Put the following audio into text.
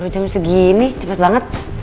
sepuluh jam segini cepet banget